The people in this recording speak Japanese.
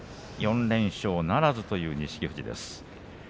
４連勝ならずという錦富士です。